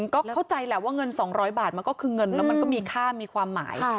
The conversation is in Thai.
ก็เข้าใจแหละว่าเงิน๒๐๐บาทมันก็คือเงินแล้วมันก็มีค่ามีความหมาย